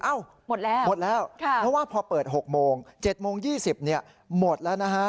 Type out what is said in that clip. หมดแล้วหมดแล้วเพราะว่าพอเปิด๖โมง๗โมง๒๐หมดแล้วนะฮะ